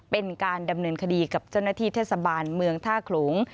เป็นการดำเนินคดีกับเจ้าหน้าที่เทศบาลเมืองท่าโขลง